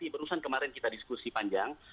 barusan kemarin kita diskusi panjang